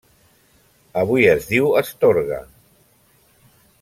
Avui es diu Astorga.